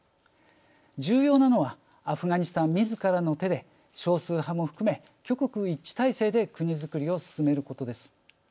重要なのはアフガニスタン、みずからの手でしかも、少数派も含め挙国一致体制で国づくりを進めることです。